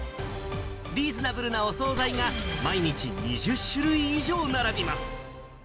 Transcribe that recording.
リーズナブルなお総菜が毎日２０種類以上並びます。